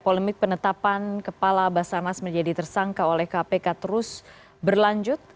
polemik penetapan kepala basarnas menjadi tersangka oleh kpk terus berlanjut